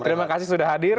terima kasih sudah hadir